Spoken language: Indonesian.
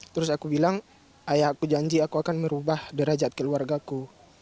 terus aku bilang ayah aku janji aku akan merubah derajat keluargaku